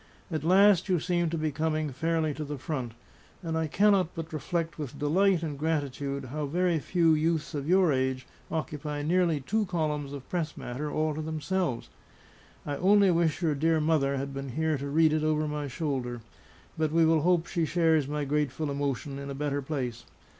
At last you seem to be coming fairly to the front; and I cannot but reflect with delight and gratitude how very few youths of your age occupy nearly two columns of press matter all to themselves. I only wish your dear mother had been here to read it over my shoulder; but we will hope she shares my grateful emotion in a better place.